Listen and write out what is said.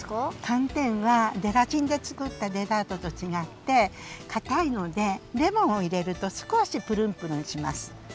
かんてんはゼラチンでつくったデザートとちがってかたいのでレモンをいれるとすこしプルンプルンします。